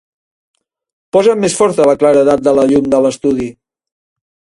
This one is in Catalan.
Posa'm més forta la claredat de la llum de l'estudi.